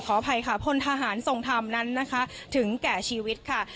อภัยค่ะพลทหารทรงธรรมนั้นนะคะถึงแก่ชีวิตค่ะ